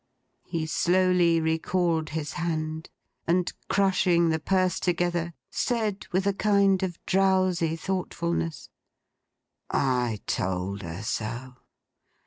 He slowly recalled his hand, and crushing the purse together, said with a kind of drowsy thoughtfulness: 'I told her so.